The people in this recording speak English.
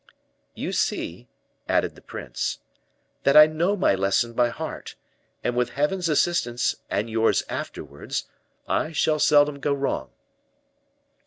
"You see," added the prince, "that I know my lesson by heart, and with Heaven's assistance, and yours afterwards, I shall seldom go wrong."